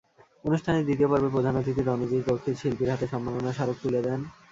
অনুষ্ঠানের দ্বিতীয় পর্বে প্রধান অতিথি রণজিৎ রক্ষিত শিল্পীর হাতে সম্মাননা স্মারক তুলে দেন।